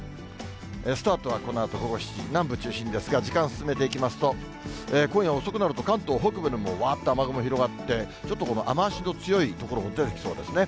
スタートはこのあと午後７時、南部中心ですが、時間進めていきますと、今夜遅くなると関東北部でもわーっと雨雲広がって、ちょっとこの雨足の強い所も出てきそうですね。